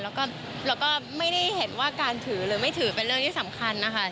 แล้วก็ไม่ได้เห็นว่าการถือหรือไม่ถือเป็นเรื่องที่สำคัญนะคะ